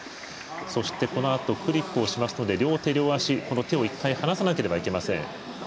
そして、このあとクリップをして両手両足を１回、離さなければいけません。